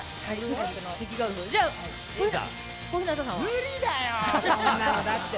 無理だよ、そんなのだって。